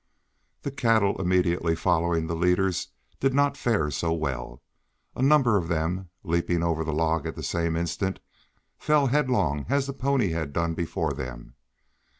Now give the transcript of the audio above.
The cattle immediately following the leaders did not fare so well. A number of them, leaping over the log at the same instant, fell headlong as the pony had done before them.